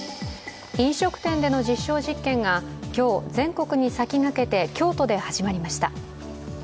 飲食店での実証実験が今日、全国に先駆けて京都で始まりました。